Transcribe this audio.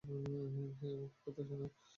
হেই, আমার কথা শোনো।